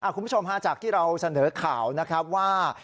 คุณผู้ชมฮาจากที่เราเสนอข่าวนะครับว่า